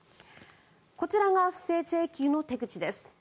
こちらが不正請求の手口です。